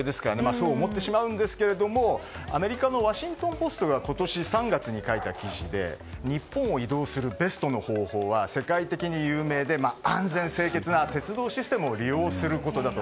そう思ってしまうんですけれどもアメリカのワシントン・ポストが今年３月に書いた記事で日本を移動するベストの方法は世界的に有名で安全性、清潔な鉄道システムを利用することだと。